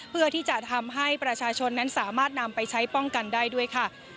เพื่อที่จะทำให้ประชาชนนั้นสามารถนำไปใช้ป้องกันได้ด้วยค่ะ